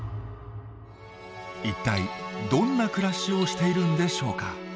一体どんな暮らしをしているんでしょうか。